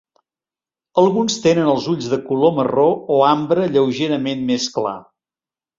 Alguns tenen els ulls de color marró o ambre lleugerament més clar.